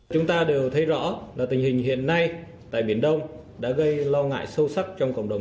chúng ta đều thấy rõ là tình hình hiện nay tại biển đông đã gây lo ngại sâu sắc trong cộng đồng